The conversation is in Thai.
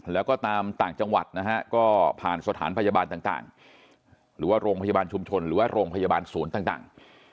แล้วก็ตามต่างจังหวัดนะฮะก็ผ่านสถานพยาบาลต่างหรือว่าโรงพยาบาลชุมชนหรือว่าโรงพยาบาลศูนย์ต่าง